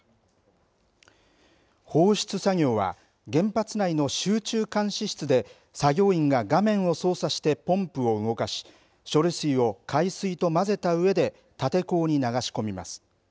放出作業は原発内の集中監視室で作業員が画面を操作してポンプを動かし処理水を海水と混ぜたうえで立て坑に流し込みます。